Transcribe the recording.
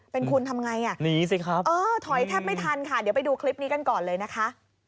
เป็นคุณทำไงอ่ะหนีสิครับเออถอยแทบไม่ทันค่ะเดี๋ยวไปดูคลิปนี้กันก่อนเลยนะคะ